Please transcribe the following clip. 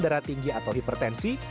darah tinggi atau hipertensi